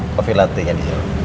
kofi latte nya disini